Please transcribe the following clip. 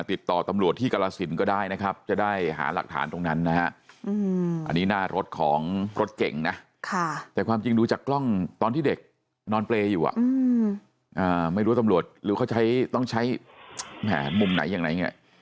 ติดต่อตำรวจที่กรสินก็ได้นะครับจะได้หาหลักฐานตรงนั้นนะฮะอันนี้หน้ารถของรถเก่งนะแต่ความจริงดูจากกล้องตอนที่เด็กนอนเปรย์อยู่ไม่รู้ตำรวจหรือเขาใช้ต้องใช้แหมมุมไหนอย่างไรเนี่ย